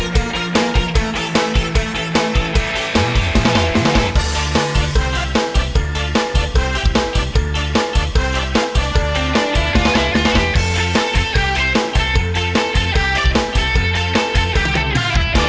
กูจ้างหยุดเนอะ